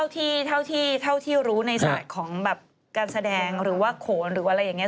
อันนี้นะเท่าที่รู้ในสัตว์ของการแสดงหรือว่าโขนหรืออะไรอย่างนี้